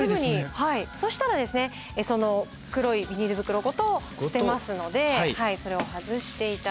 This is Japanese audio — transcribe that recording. そしたらその黒いビニール袋ごと捨てますのでそれを外して頂いて。